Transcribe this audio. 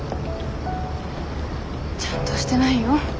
ちゃんとしてないよ。